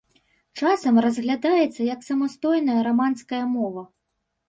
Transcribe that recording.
Часам разглядаецца як самастойная раманская мова.